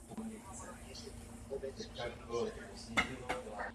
Výkonné nástroje v oblasti námořní dopravy jsou zcela nezbytné.